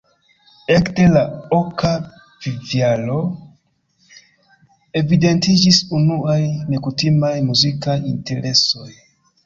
Ekde la oka vivjaro evidentiĝis unuaj nekutimaj muzikaj interesoj.